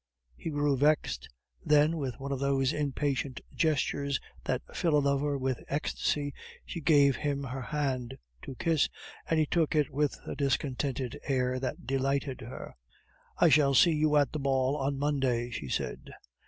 He grew vexed. Then, with one of those impatient gestures that fill a lover with ecstasy, she gave him her hand to kiss, and he took it with a discontented air that delighted her. "I shall see you at the ball on Monday," she said.